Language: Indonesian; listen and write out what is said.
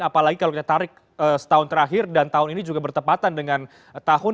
apalagi kalau kita tarik setahun terakhir dan tahun ini juga bertepatan dengan tahun